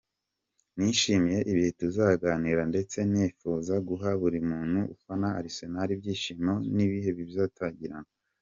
Nishimiye ibihe tuzagirana ndetse ndifuza guha buri muntu ufana Arsenal ibyishimo n’ibihe bitazibagirana.